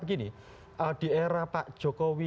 begini di era pak jokowi